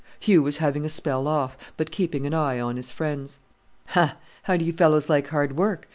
Hugh was having a spell off, but keeping an eye on his friends. "Ha! how do you fellows like hard work?